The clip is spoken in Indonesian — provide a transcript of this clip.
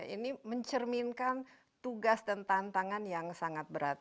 ini mencerminkan tugas dan tantangan yang sangat berat